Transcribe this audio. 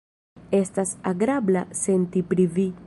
Estas agrabla senti pri Vi.